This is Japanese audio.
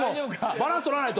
バランス取らないと。